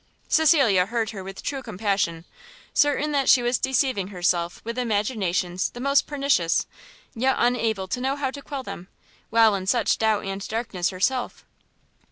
Cecilia heard her with true compassion, certain that she was deceiving herself with imaginations the most pernicious; yet unable to know how to quell them, while in such doubt and darkness herself.